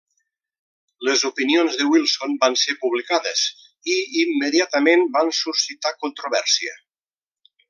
Les opinions de Wilson van ser publicades i immediatament van suscitar controvèrsia.